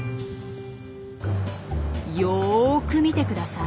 よく見てください。